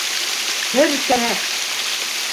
Бер кәләш!